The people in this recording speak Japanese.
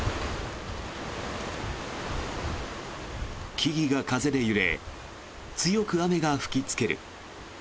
木々が風で揺れ強く雨が吹きつける。